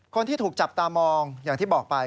คนที่ถูกจับตามองอย่างที่บอกไป